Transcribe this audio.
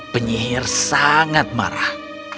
penyihir sangat marah